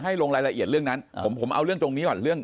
ลงรายละเอียดเรื่องนั้นผมเอาเรื่องตรงนี้ก่อนเรื่อง